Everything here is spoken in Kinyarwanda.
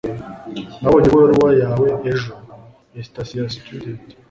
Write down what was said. Nabonye ibaruwa yawe ejo. (eastasiastudent)